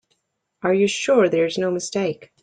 Are you sure there's no mistake?